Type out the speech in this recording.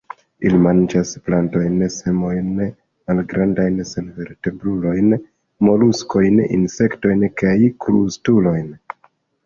Ili manĝas plantojn, semojn, malgrandajn senvertebrulojn, moluskojn, insektojn kaj krustulojn.